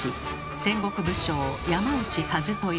戦国武将山内一豊。